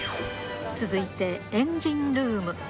続いて、エンジンルーム。